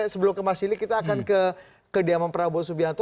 sebelum ke mas sili kita akan ke kediaman prabowo subianto